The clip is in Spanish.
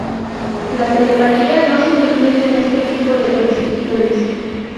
La telepatía no se incluye en este tipo de percepciones.